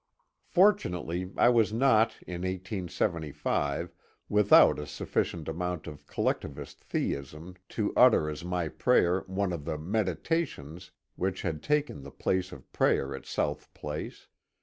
Fortunately I was not in 1875 without a sufficient amount of collectivist theism to utter as my prayer one of the meditations " which had taken the place of prayer at South Place.